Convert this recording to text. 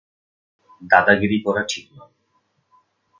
দাদাগিরি করা ঠিক নয়।